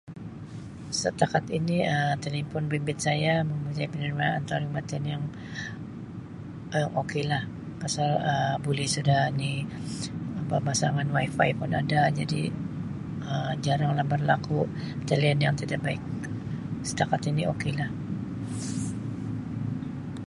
"Setakat ini Um telepon bimbit saya mempunyai penerimaan perkhidmatan yang Um okaylah pasal [um? boleh sudah ni pemasangan ""WiFi"" pun ada jadi Um jarang lah berlaku talian yang tidak baik. Setakat ini okaylah. "